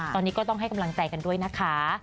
ตอนนี้ก็ต้องให้กำลังใจกันด้วยนะคะ